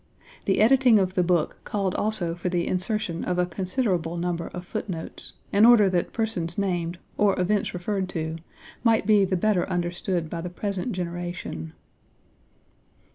The editing of the book called also for the insertion of a considerable number of foot notes, in order that persons named, or events referred to, might be the better understood by the present generation.